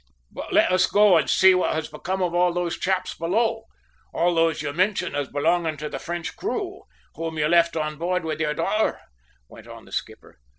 "But let us go and see what has become of all those chaps below all those you mentioned as belonging to the French crew, whom you left on board with your daughter," went on the skipper.